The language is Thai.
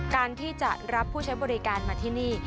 การที่จะรับผู้ใช้บริการมาที่นี่